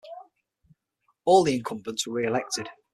All the incumbents were re-elected.